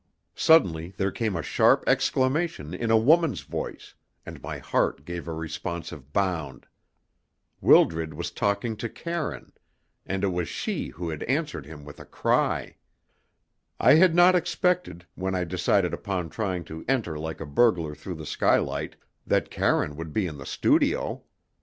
Suddenly there came a sharp exclamation in a woman's voice, and my heart gave a responsive bound. Wildred was talking to Karine, and it was she who had answered him with a cry. I had not expected, when I decided upon trying to enter like a burglar through the skylight, that Karine would be in the studio.